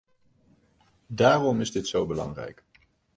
Daarom is dit zo belangrijk.